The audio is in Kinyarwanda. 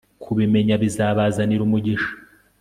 Kubimenya bizabazanira umugisha